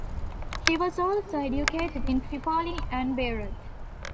He was also educated in Tripoli and Beirut.